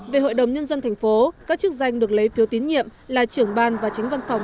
về hội đồng nhân dân thành phố các chức danh được lấy phiếu tín nhiệm là trưởng ban và chính văn phòng